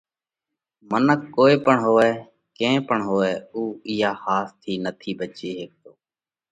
منک ڪوئي پڻ هوئہ، ڪئين پڻ هوئہ اُو اِيئا ۿاس ٿِي نٿِي ڀچي هيڪتو۔